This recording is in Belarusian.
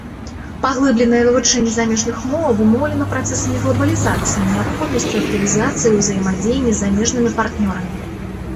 Паглыбленае вывучэнне замежных моў абумоўлена працэсамі глабалізацыі, неабходнасцю актывізацыі ўзаемадзеяння з замежнымі партнёрамі.